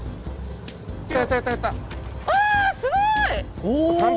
あー、すごい！